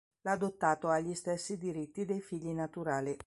L'adottato ha gli stessi diritti dei figli naturali.